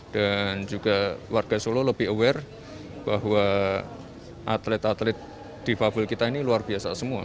juga warga solo lebih aware bahwa atlet atlet difabel kita ini luar biasa semua